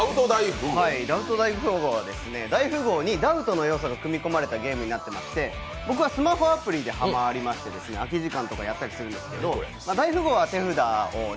「ダウト大富豪」は、大富豪にダウトの要素が組み込まれたゲームでして僕はスマホアプリでハマりまして空き時間とかやったりするんです。